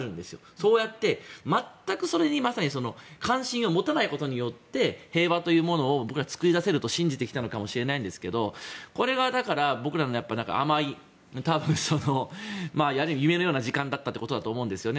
そうやって、全くそれに関心を持たないことによって平和というものを僕らは作り出せると信じてきたのかもしれないですがこれが僕らの甘いある意味夢のような時間だったってことだと思うんですよね。